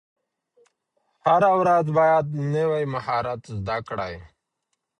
هره ورځ باید نوی مهارت زده کړئ.